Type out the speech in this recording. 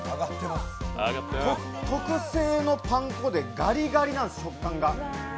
特製のパン粉でガリガリなんです食感が。